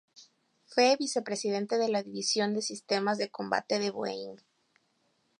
Fue vicepresidente de la división de Sistemas de Combate de Boeing.